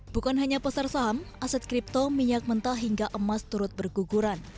bukan hanya pasar saham aset kripto minyak mentah hingga emas turut berguguran